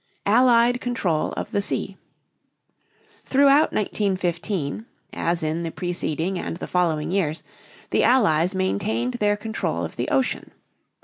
ALLIED CONTROL OF THE SEA. Throughout 1915 as in the preceding and the following years the Allies maintained their control of the ocean.